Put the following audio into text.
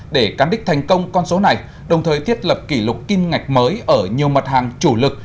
để cán đích thành công con số này đồng thời thiết lập kỷ lục kim ngạch mới ở nhiều mặt hàng chủ lực